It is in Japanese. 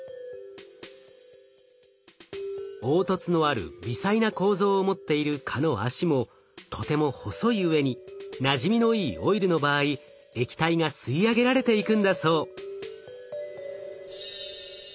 凹凸のある微細な構造を持っている蚊の脚もとても細いうえになじみのいいオイルの場合液体が吸い上げられていくんだそう。